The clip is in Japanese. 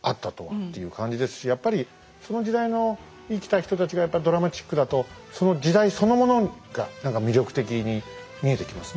やっぱりその時代の生きた人たちがやっぱドラマチックだとその時代そのものが何か魅力的に見えてきますね。